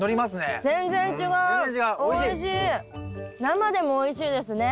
生でもおいしいですね。